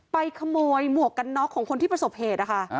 ไปขโมยหมวกกันน็อกของคนที่ประสบเหตุนะคะ